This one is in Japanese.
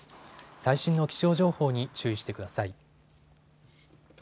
最新の気象情報に注意してください。